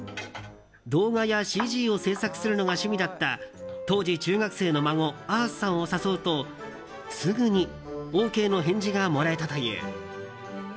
動画やＣＧを制作するのが趣味だった当時中学生の孫あーすさんを誘うとすぐにＯＫの返事がもらえたという。